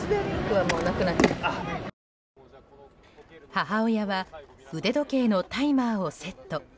母親は腕時計のタイマーをセット。